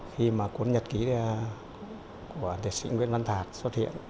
khi mà cuốn nhật ký của liệt sĩ nguyễn văn thạc xuất hiện